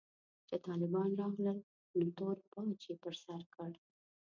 چې طالبان راغلل نو تور پاج يې پر سر کړ.